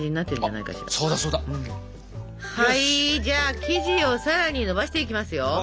じゃあ生地をさらにのばしていきますよ。